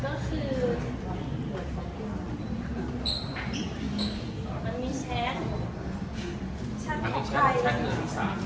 ก็คือมันมีแชทแชทของใคร